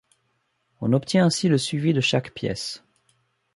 On obtient ainsi le suivi de chaque pièce.